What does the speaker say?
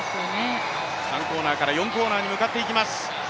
３コーナーから４コーナーに向かっていきます。